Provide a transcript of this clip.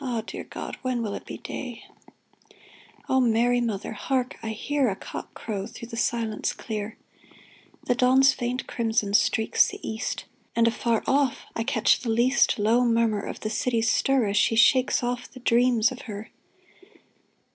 Ah, dear God ! when will it be day ? O Mary, Mother ! Hark ! I hear A cock crow through the silence clear ! The dawn's faint crimson streaks the east, And, afar off, I catch the least Low murmur of the city's stir As she shakes off the dreams of her